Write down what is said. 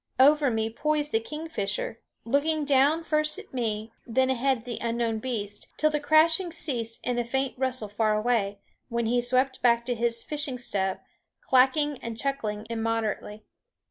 Over me poised the kingfisher, looking down first at me, then ahead at the unknown beast, till the crashing ceased in a faint rustle far away, when he swept back to his fishing stub, clacking and chuckling immoderately.